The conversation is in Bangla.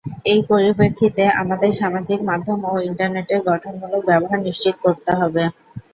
এই পরিপ্রেক্ষিতে আমাদের সামাজিক মাধ্যম ও ইন্টারনেটের গঠনমূলক ব্যবহার নিশ্চিত করতে হবে।